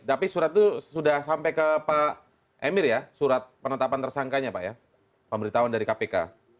tapi surat itu sudah sampai ke pak emir ya surat penetapan tersangkanya pak ya pemberitahuan dari kpk